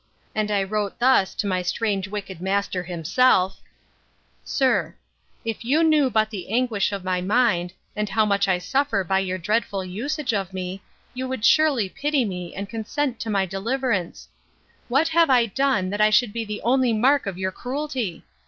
And I wrote thus to my strange wicked master himself: 'SIR, 'If you knew but the anguish of my mind, and how much I suffer by your dreadful usage of me, you would surely pity me, and consent to my deliverance. What have I done, that I should be the only mark of your cruelty?